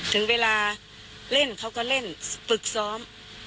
ถึงเวลาเล่นเขาก็เล่นฝึกซ้อม